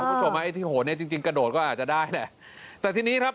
คุณผู้ชมไอ้ที่โหนเนี้ยจริงจริงกระโดดก็อาจจะได้แหละแต่ทีนี้ครับ